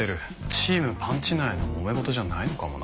チームパンチ内の揉め事じゃないのかもな。